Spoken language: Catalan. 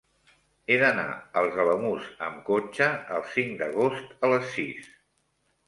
He d'anar als Alamús amb cotxe el cinc d'agost a les sis.